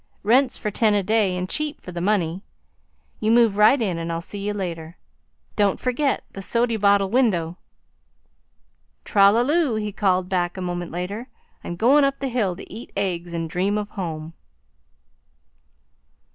Rents for ten a day and cheap for the money. You move right in, and I'll see you later. Don't forget the sody bottle window." "Tra la loo!" he called back a moment later. "I'm goin' up the hill to eat eggs and dream of home."